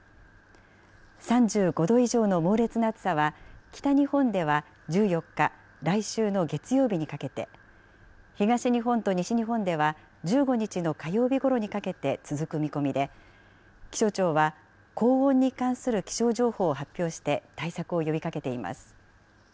３５度以上の猛烈な暑さは、北日本では１４日・来週の月曜日にかけて、東日本と西日本では１５日の火曜日ごろにかけて続く見込みで、気象庁は、高温に関する気象情報を発表して、対策を呼びかけています。